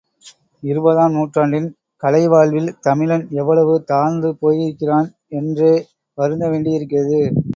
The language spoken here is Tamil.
இருபதாம் நூற்றாண்டின் கலைவாழ்வில் தமிழன் எவ்வளவு தாழ்ந்து போயிருக்கிறான் என்றே வருந்த வேண்டியிருக்கிறது!